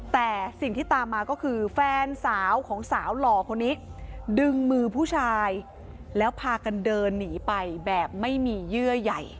แต่สิ่งที่ตามมาก็คือแฟนสาวของสาวหล่อคนนี้ดึงมือผู้ชายแล้วพากันเดินหนีไปแบบไม่มีเยื่อใหญ่